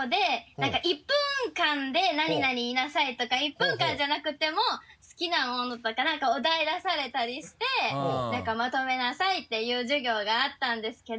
なんか１分間で何々言いなさいとか１分間じゃなくっても好きなものとかなんかお題出されたりしてなんかまとめなさいっていう授業があったんですけど。